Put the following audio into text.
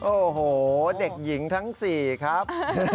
โอ้โหเด็กหญิงทั้ง๔ครับ